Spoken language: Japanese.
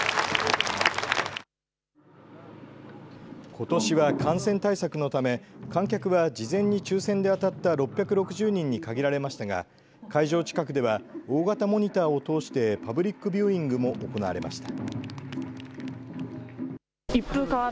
ことしは感染対策のため観客は事前に抽せんで当たった６６０人に限られましたが会場近くでは大型モニターを通してパブリックビューイングも行われました。